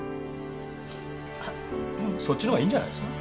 そっちの方がいいんじゃないですか？